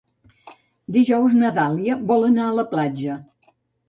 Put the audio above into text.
Dijous na Dàlia vol anar a la platja.